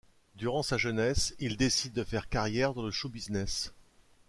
Durant sa jeunesse, il décide de faire carrière dans le show business.